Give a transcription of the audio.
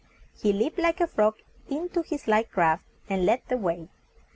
He leaped like a frog in to his light craft, and led the way.